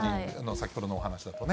先ほどのお話だとね。